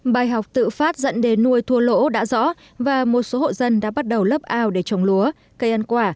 bài học tự phát dẫn đến nuôi thua lỗ đã rõ và một số hộ dân đã bắt đầu lấp ao để trồng lúa cây ăn quả